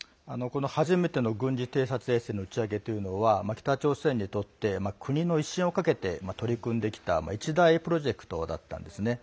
初めての軍事偵察衛星の打ち上げというのは北朝鮮にとって国の威信をかけて取り組んできた一大プロジェクトだったんですね。